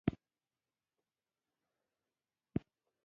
ایا ستاسو مینه پاکه نه ده؟